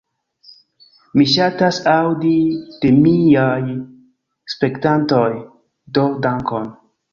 Mi ŝatas aŭdi de miaj spektantoj. Do dankon.